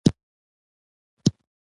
د افغانستان او پښتونخوا ټول پښتانه يو دي